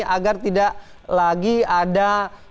agar tidak lagi ada